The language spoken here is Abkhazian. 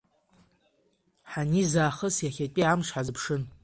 Ҳаниз аахыс иахьатәи амш ҳазыԥшын.